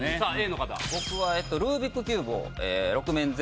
僕はルービックキューブを。